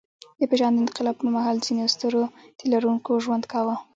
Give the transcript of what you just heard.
د پېژاند انقلاب پر مهال ځینو سترو تيلرونکي ژوند کاوه.